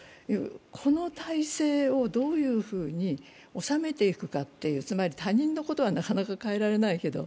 この体制をどういうふうに収めていくかというつまり他人のことはなかなか変えられないけど